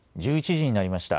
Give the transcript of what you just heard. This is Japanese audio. １１時になりました。